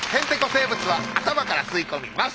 生物は頭から吸い込みます。